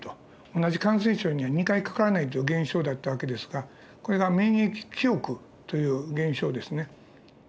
同じ感染症には２回かからないという現象だった訳ですがこれが免疫記憶という現象ですね。